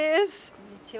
こんにちは。